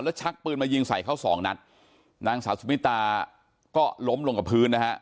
แล้วชักปืนมายิงใส่เขาสองนัดนางสาวสุมิตาก็ล้มลงกับพื้นนะฮะ